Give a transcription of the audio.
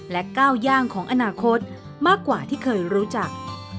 ก้าวย่างของอนาคตมากกว่าที่เคยรู้จัก